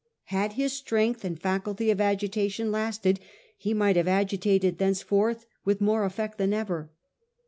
Had his strength and faculty of agitation lasted, he might have agitated thenceforth with more effect than ever.